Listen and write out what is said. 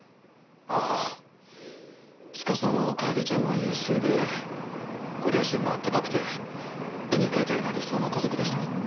ああ司も楓ちゃんも優秀でご両親も温かくて絵に描いたような理想の家族でした。